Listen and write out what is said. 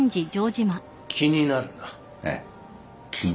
気になるな。